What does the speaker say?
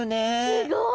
すごい！